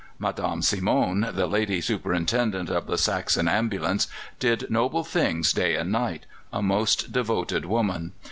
Madame Simon, the lady superintendent of the Saxon ambulance, did noble things day and night a most devoted woman.